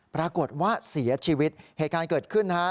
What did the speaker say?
ปรากฏว่าเสียชีวิตเหตุการณ์เกิดขึ้นนะฮะ